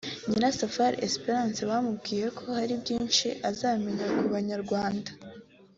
Nyirasafari Esperence bamubwiye ko hari byinshi azamenya ku Banyarwanda